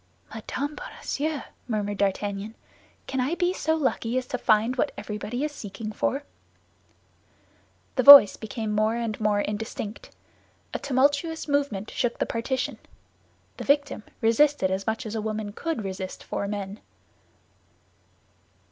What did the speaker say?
"Madame Bonacieux!" murmured D'Artagnan. "Can I be so lucky as to find what everybody is seeking for?" The voice became more and more indistinct; a tumultuous movement shook the partition. The victim resisted as much as a woman could resist four men.